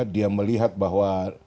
dia melihat bahwa